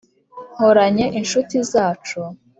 nkoranye incuti zacu.